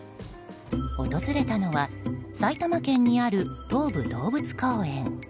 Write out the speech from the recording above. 訪れたのは埼玉県にある東武動物公園。